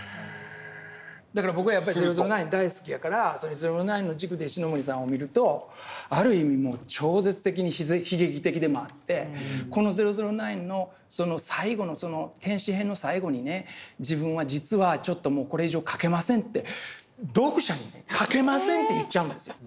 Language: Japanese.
だから僕はやっぱり「００９」大好きやから「００９」の軸で石森さんを見るとある意味もう超絶的に悲劇的でもあってこの「００９」の最後の「天使編」の最後にね自分は実はちょっともうこれ以上描けませんって読者にね描けませんって言っちゃうんですよ。